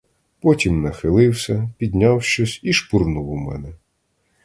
Потім нахилився, підняв щось і шпурнув у мене.